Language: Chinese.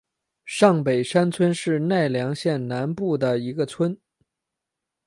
上北山村是奈良县南部的一村。